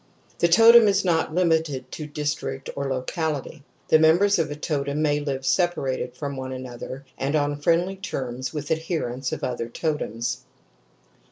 The totem is not limited to district or to locality ; the members of a totem may live separated from one another and on friendly terms with adherents of other totems^.